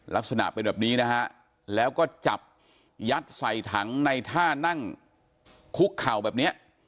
ลักษณะเป็นแบบนี้นะฮะแล้วก็จับยัดใส่ถังในท่านั่งคุกเข่าแบบเนี้ย